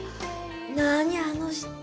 何あの舌。